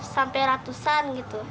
sampai ratusan gitu